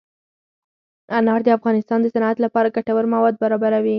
انار د افغانستان د صنعت لپاره ګټور مواد برابروي.